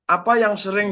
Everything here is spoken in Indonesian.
apa yang sering